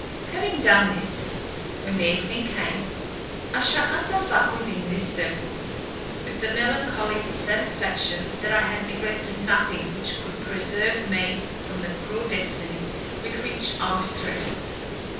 Having done this, when the evening came, I shut myself up within this circle, with the melancholy satisfaction, that I had neglected nothing which could preserve me from the cruel destiny with which I was threatened.